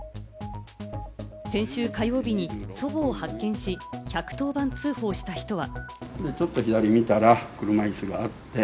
先週火曜日に祖母を発見し、１１０番通報した人は。